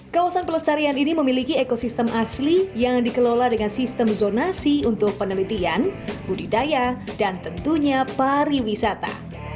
kawasan pelestarian ini memiliki ekosistem asli yang dikelola dengan sistem zonasi untuk penelitian budidaya dan tentunya pariwisata